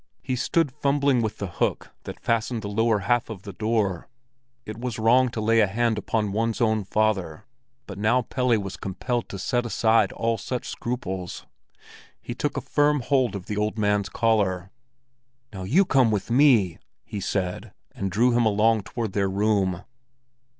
He stood fumbling with the hook that fastened the lower half of the door. It was wrong to lay a hand upon one's own father, but now Pelle was compelled to set aside all such scruples. He took a firm hold of the old man's collar. "Now you come with me!" he said, and drew him along toward their room.